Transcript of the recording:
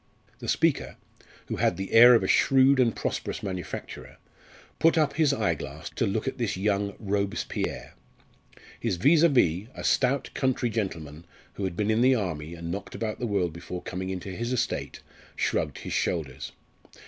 The speaker, who had the air of a shrewd and prosperous manufacturer, put up his eyeglass to look at this young Robespierre. His vis à vis a stout country gentleman who had been in the army and knocked about the world before coming into his estate shrugged his shoulders.